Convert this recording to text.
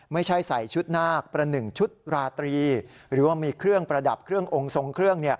ไม่ใช่ใส่ชุดนาคประหนึ่งชุดราตรีหรือว่ามีเครื่องประดับเครื่ององค์ทรงเครื่อง